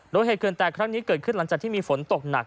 โดยเหตุเขื่อนแตกครั้งนี้เกิดขึ้นหลังจากที่มีฝนตกหนัก